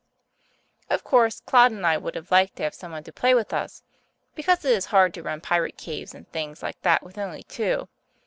Of course Claude and I would have liked to have someone to play with us, because it is hard to run pirate caves and things like that with only two.